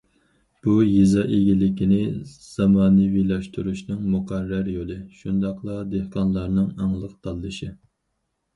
بۇ يېزا ئىگىلىكىنى زامانىۋىلاشتۇرۇشنىڭ مۇقەررەر يولى، شۇنداقلا دېھقانلارنىڭ ئاڭلىق تاللىشى.